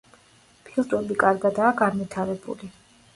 ფილტვები კარგადაა განვითარებული.